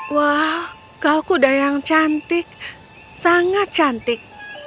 wow kau kuda yang cantik sangat cantik